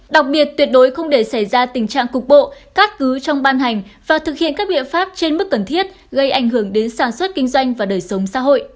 đặc biệt tuyệt đối không để xảy ra tình trạng cục bộ cắt cứ trong ban hành và thực hiện các biện pháp trên mức cần thiết gây ảnh hưởng đến sản xuất kinh doanh và đời sống xã hội